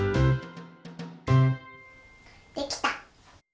できた！